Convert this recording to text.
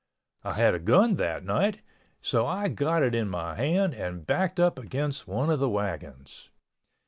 I had a gun that night so I got it in my hand and backed up against one of the wagons.